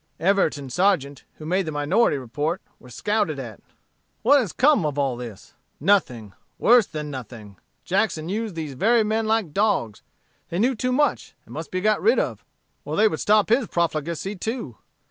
Everett and Sargeant, who made the minority report, were scouted at. What has come of all this? Nothing worse than nothing. Jackson used these very men like dogs: they knew too much, and must be got rid off, or they would stop his profligacy too.